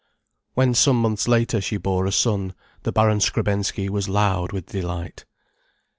When some months later she bore a son, the Baron Skrebensky was loud with delight.